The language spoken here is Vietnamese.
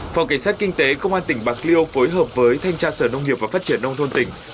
phòng cảnh sát kinh tế công an tỉnh bạc liêu phối hợp với thanh tra sở nông nghiệp và phát triển nông thôn tỉnh